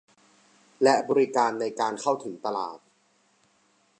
และบริการในการเข้าถึงตลาด